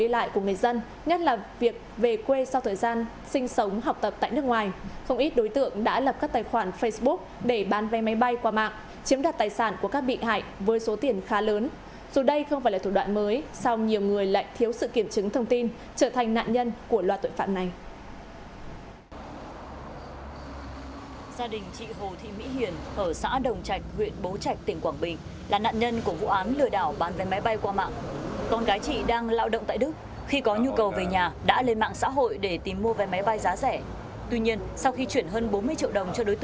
lợi dụng nhu cầu đi lại của người dân nhất là việc về quê sau thời gian sinh sống học tập tại nước ngoài